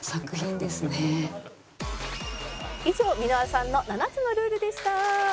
「以上箕輪さんの７つのルールでした」